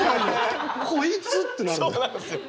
「こいつ」ってなるのよ。